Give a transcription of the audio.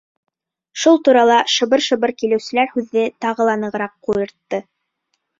Шул турала шыбыр-шыбыр килеүселәр һүҙҙе тағы ла нығыраҡ ҡуйыртты.